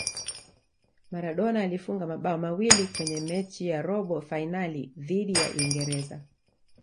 maradona alifunga mabao mawili Kwenye mechi ya robo fainali dhidi ya uingereza